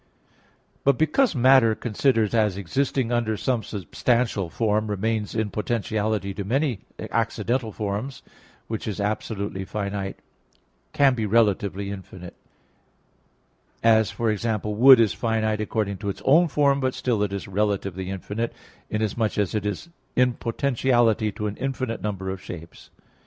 But because matter, considered as existing under some substantial form, remains in potentiality to many accidental forms, which is absolutely finite can be relatively infinite; as, for example, wood is finite according to its own form, but still it is relatively infinite, inasmuch as it is in potentiality to an infinite number of shapes.